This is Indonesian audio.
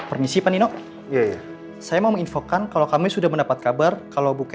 els sedang ngerusak momen aku dengan reyna